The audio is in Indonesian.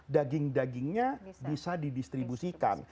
daging dagingnya bisa didistribusikan